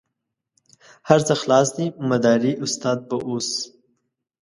هر څه خلاص دي مداري استاد به اوس.